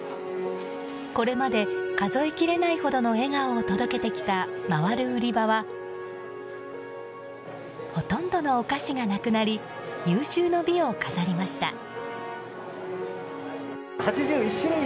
これまで数えきれないほどの笑顔を届けてきた回る売り場はほとんどのお菓子がなくなり有終の美を飾りました。